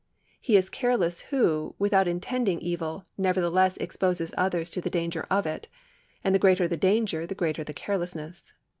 He is careless, who, without intending evil, nevertheless exposes others to the danger of it, and the greater the danger the greater the carelessness.